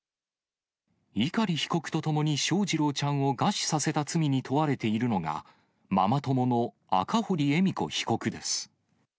碇被告とともに翔士郎ちゃんを餓死させた罪に問われているのが、ママ友の赤堀恵美子被告です。